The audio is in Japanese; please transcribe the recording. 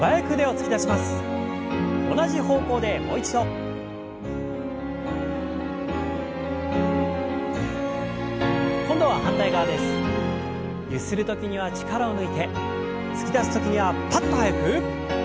突き出す時にはパッと速く。